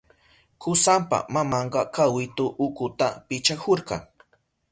Kusanpa mamanka kawitu ukuta pichahurka.